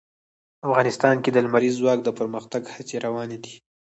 افغانستان کې د لمریز ځواک د پرمختګ هڅې روانې دي.